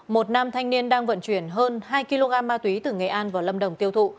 một nam thanh niên đang vận chuyển hơn hai kg ma túy từ nghệ an vào lâm đồng tiêu thụ